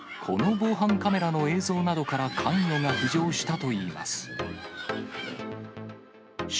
この防犯カメラの映像などから関与が浮上したといいます。